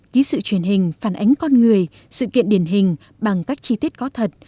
ký sự truyền hình phản ánh con người sự kiện điển hình bằng các chi tiết có thật